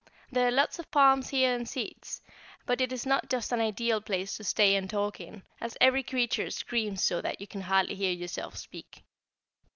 There are lots of palms here and seats, but it is not just an ideal place to stay and talk in, as every creature screams so that you can hardly hear yourself speak.